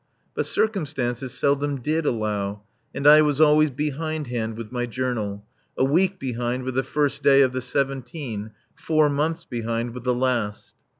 But circumstances seldom did allow, and I was always behindhand with my Journal a week behind with the first day of the seventeen, four months behind with the last.